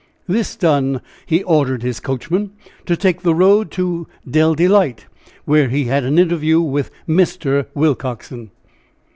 This done, he ordered his coachman to take the road to Dell Delight, where he had an interview with Mr. Willcoxen.